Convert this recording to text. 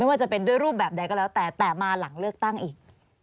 ว่าจะเป็นด้วยรูปแบบใดก็แล้วแต่แต่มาหลังเลือกตั้งอีก